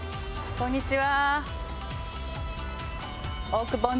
こんにちは。